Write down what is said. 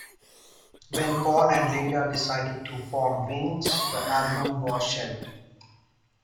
When Paul and Linda decided to form Wings the album was shelved.